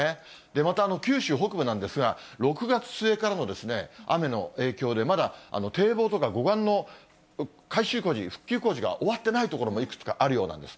また九州北部なんですが、６月末からの雨の影響で、まだ堤防とか護岸の改修工事、復旧工事が終わってない所もいくつかあるようなんです。